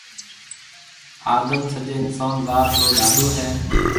آدم سجَي اِنسون ذات رو ڏاڏو هيَ۔